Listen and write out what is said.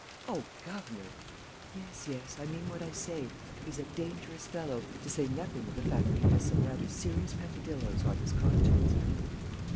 "Oh, governor!" "Yes, yes, I mean what I say: he's a dangerous fellow, to say nothing of the fact that he has some rather serious peccadilloes on his conscience."